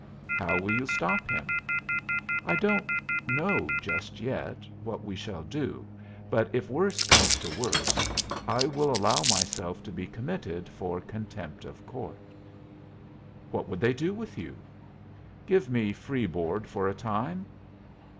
"How will you stop him?" "I don't know yet just what we shall do, but if worse comes to worse I will allow myself to be committed for contempt of court." "What would they do with you?" "Give me free board for a time."